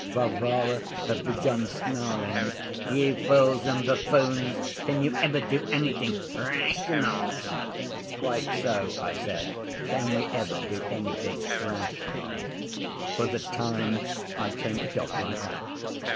Varvara had begun snarling. 'You fools and buffoons, can you ever do anything rational?' 'Quite so,' I said, 'can we ever do anything rational?' For the time I turned it off like that.